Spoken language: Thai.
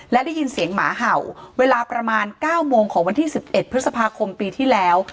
และได้ยินเสียงหมาเห่าเวลาประมาณ๙โมงของวันที่๑๑พฤษภาคมปีที่แล้ว